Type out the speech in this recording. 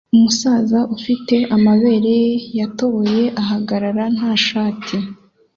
Umusaza ufite amabere ye yatoboye ahagarara nta shati